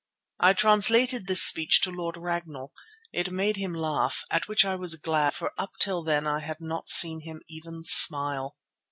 I translated this speech to Lord Ragnall. It made him laugh, at which I was glad for up till then I had not seen him even smile.